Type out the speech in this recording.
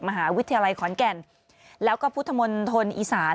มหาวิทยาลัยขอนแก่นแล้วก็พุทธมณฑลอีสาน